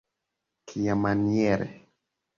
Kiamaniere?